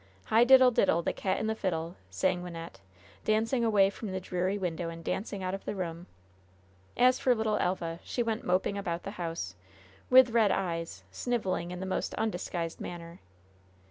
"'Hi diddle diddle! The cat and the fiddle!'" sang Wynnette, dancing away from the dreary window and dancing out of the room. As for little Elva, she went moping about the house, with red eyes, sniveling in the most undisguised manner.